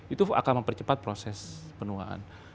itu akan mempercepat proses penuaan